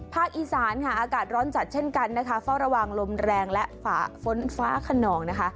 ภาคอีสานอากาศร้อนจัดเช่นกันเฝ้าระวังลมแรงและฝนฟ้าขนอง